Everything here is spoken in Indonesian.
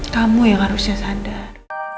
kamu yang harusnya sadar